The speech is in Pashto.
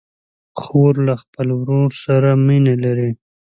خور له خپل ورور سره مینه لري.